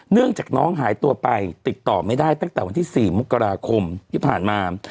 เนื่องจากน้องหายตัวไปติดต่อไม่ได้ตั้งแต่วันที่๔มกราคมที่ผ่านมา